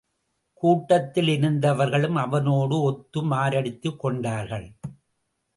கூட்டத்தில் இருந்தவர்களும் அவனோடு ஒத்து மாரடித்துக் கொண்டார்கள்.